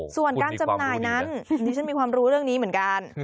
ส่วนการจำหน่ายนั้นดิฉันมีความรู้เรื่องนี้เหมือนกัน